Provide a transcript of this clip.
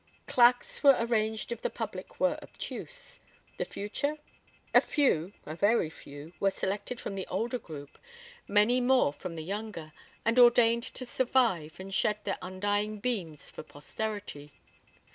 Claques were arranged if the public were obtuse. The future? A few, a very few, were selected from the older group, many more from the younger, and ordained to survive and shed their undying beams for posterity.